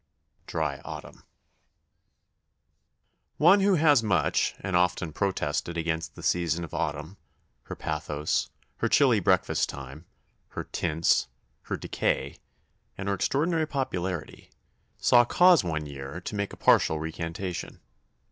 DRY AUTUMN One who has much and often protested against the season of Autumn, her pathos, her chilly breakfast time, her "tints," her decay, and her extraordinary popularity, saw cause one year to make a partial recantation.